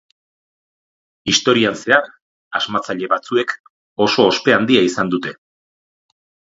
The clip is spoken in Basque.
Historian zehar asmatzaile batzuek oso ospe handia izan dute.